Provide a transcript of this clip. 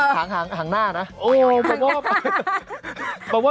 สกิดยิ้ม